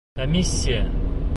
Комиссия!